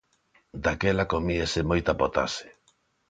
Daquela comíase moita potaxe.